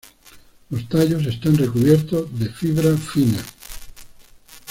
Los tallos están recubiertos de fibras finas.